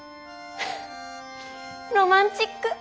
あっロマンチック！